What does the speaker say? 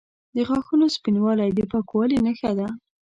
د غاښونو سپینوالی د پاکوالي نښه ده.